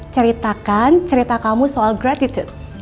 ceritakan cerita kamu soal gratitude